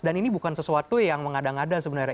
dan ini bukan sesuatu yang mengada ngada sebenarnya